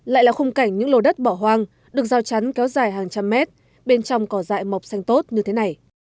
lại là khung cảnh những lồ đất bỏ hoang được giao chắn kéo dài hàng trăm mét bên trong có dại mọc xanh tốt như thế này